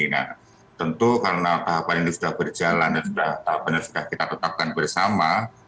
nah tentu karena tahapan ini sudah berjalan dan sudah tahapannya sudah kita tetapkan bersama